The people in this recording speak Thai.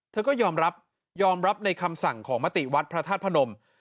เธอก็ยอมรับยอมรับในคำสั่งของมติวัดพระธาตุพนม